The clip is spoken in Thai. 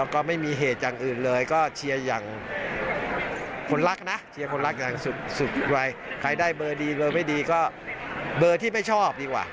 ใครได้เบอร์ดีเบอร์ไม่ดีก็เบอร์ที่ไม่ชอบดีกว่า